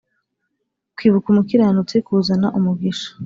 Kwibuka umukiranutsi kuzana umugisha